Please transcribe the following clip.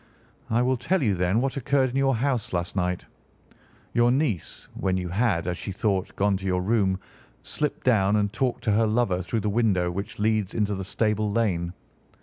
"I will tell you, then, what occurred in your house last night. Your niece, when you had, as she thought, gone to your room, slipped down and talked to her lover through the window which leads into the stable lane.